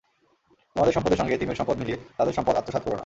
তোমাদের সম্পদের সঙ্গে এতিমদের সম্পদ মিলিয়ে তাদের সম্পদ আত্মসাৎ কোরো না।